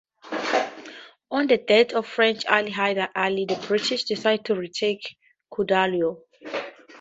On the death of French ally Hyder Ali, the British decided to retake Cuddalore.